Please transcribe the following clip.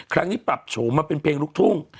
ครั้งนี้ปรับโฉมมาเป็นเพลงลูกทุ่ง